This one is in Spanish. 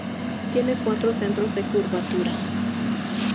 Tiene cuatro centros de curvatura.